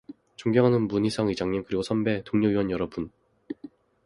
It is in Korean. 존경하는 문희상 의장님 그리고 선배, 동료 의원 여러분!